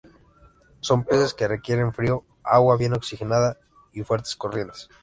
Son peces que requieren frío, agua bien oxigenada y fuertes corrientes.